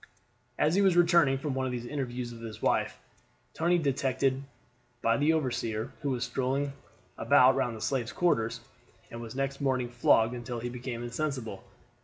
As he was returning from one of these interviews with his wife, Tony was detected by the overseer, who was strolling about round the slaves' quarters, and was next morning flogged until he became insensible.